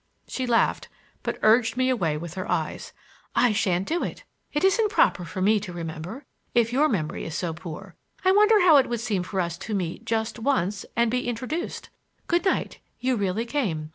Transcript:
She laughed, but urged me away with her eyes. "I shan't do it! It isn't proper for me to remember, if your memory is so poor. I wonder how it would seem for us to meet just once—and be introduced! Good night! You really came.